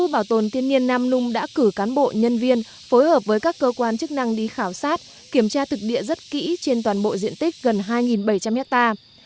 bảo tồn thiên nhiên nam nung đã cử cán bộ nhân viên phối hợp với các cơ quan chức năng đi khảo sát kiểm tra thực địa rất kỹ trên toàn bộ diện tích gần hai bảy trăm linh hectare